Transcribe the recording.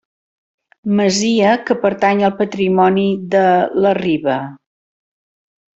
Masia que pertany al patrimoni de la Riba.